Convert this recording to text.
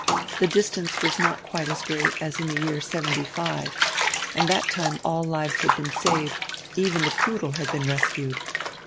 The distance was not quite as great as in die year '75, and diat time all lives had been saved; even die poodle had been rescued.